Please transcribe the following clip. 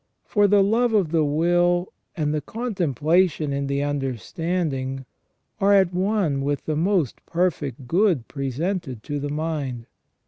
For the love of the will and the contemplation in the understand ing are at one with the most perfect good presented to the mind.